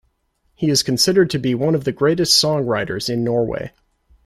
He is considered to be one of the greatest songwriters in Norway.